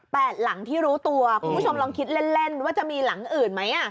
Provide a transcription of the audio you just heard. หลังที่รู้ตัวคุณผู้ชมลองคิดเล่นเล่นว่าจะมีหลังอื่นไหมอ่ะ